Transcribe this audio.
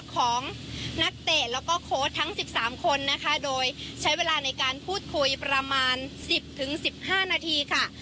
ของนักเตะแล้วก็โค้ดทั้งสิบสามคนนะคะโดยใช้เวลาในการพูดคุยประมาณสิบถึงสิบห้านาทีค่ะ